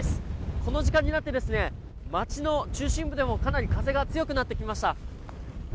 この時間になって街の中心部でもかなり風が強くなってきました。